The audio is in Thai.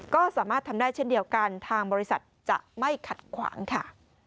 ก็สามารถทำได้เช่นเดียวกันทางบริษัทจะไม่ขัดขวางค่ะ